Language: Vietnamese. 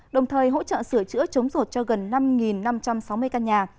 đồng thời hỗ trợ sửa chữa chống rột cho gần năm năm trăm sáu mươi căn nhà